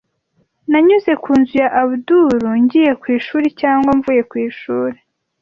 Nanyuze ku nzu ya Abudul ngiye ku ishuri cyangwa mvuye ku ishuri.